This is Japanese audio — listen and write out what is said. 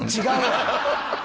違う！